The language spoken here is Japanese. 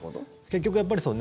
結局やっぱりそう。